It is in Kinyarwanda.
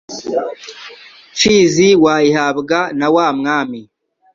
mfizi wayihabwa na wa Mwami